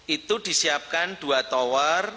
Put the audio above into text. itu disiapkan dua tower